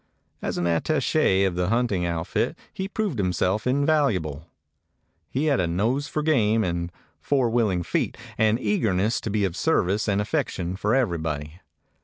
As an attache of the hunting outfit he proved himself invaluable. He had a nose for game and four willing feet, an eagerness to be of service and an affection for everybody.